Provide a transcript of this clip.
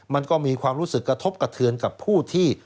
มันก็มีความรู้สึกกระทบกระเทือนกับผู้ที่